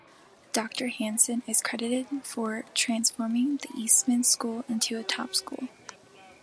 Doctor Hanson is credited for transforming the Eastman School into a top school.